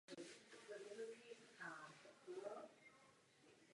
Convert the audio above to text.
Na území parku na vrchu Chlum leží vojenský muniční sklad.